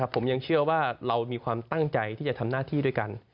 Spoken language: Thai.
ผมยังเชื่อว่าเรามีความตั้งใจที่จะทำหน้าที่ด้วยกัน